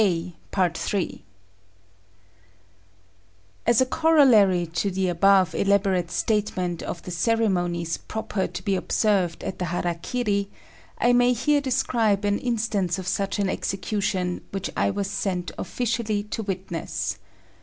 As a corollary to the above elaborate statement of the ceremonies proper to be observed at the hara kiri, I may here describe an instance of such an execution which I was sent officially to witness.